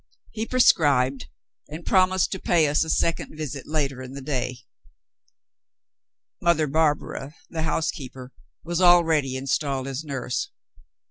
He prescribed, and promised to pay us a second visit later in the day. Mother Barbara, the housekeeper, was already installed as nurse.